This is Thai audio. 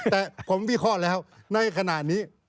แต่ผมวิเคราะห์แล้วในขณะนี้